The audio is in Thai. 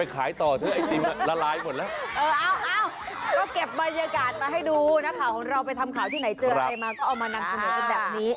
เขาบอกว่าสั่งปั้ง